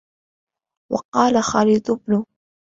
وَقَالَ خَالِدُ بْنُ